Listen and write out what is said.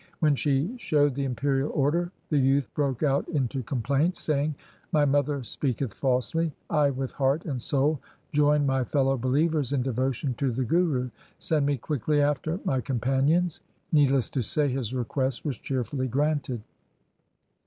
When she showed the imperial order the youth broke out into complaints, saying, ' My mother speaketh falsely : I with heart and soul join my fellow believers in devotion to the Guru : send me quickly after my companions.' Needless to say his request was cheerfully granted.